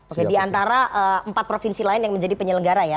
oke diantara empat provinsi lain yang menjadi penyelenggara ya